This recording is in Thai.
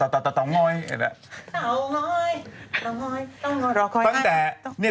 ต่าง้อยเงียบกันต่าง้อย